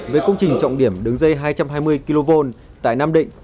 với công trình trọng điểm đứng dây hai trăm hai mươi kv tại nam định